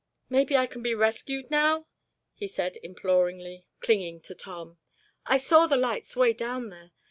"Maybe I can be rescued now," he said imploringly, clinging to Tom. "I saw the lights way down there.